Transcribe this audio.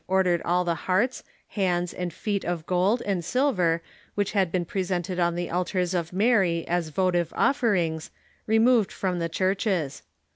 ordered all the hearts, hands, and feet of gold and silver which bad been presented on the altars of Maiy as vo tive offerings removed from the churches.